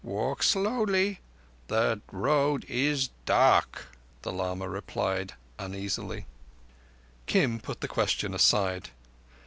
Walk slowly. The road is dark," the lama replied uneasily. Kim put the question aside.